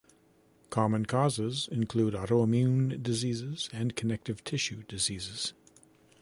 Common causes include autoimmune diseases and connective tissue diseases.